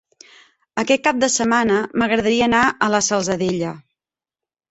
Aquest cap de setmana m'agradaria anar a la Salzadella.